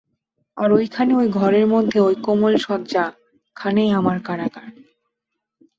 আর ঐ খানে ঐ ঘরের মধ্যে ঐ কোমল শয্যা, খানেই আমার কারাগার।